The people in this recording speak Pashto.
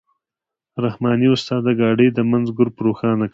رحماني استاد د ګاډۍ د منځ ګروپ روښانه کړ.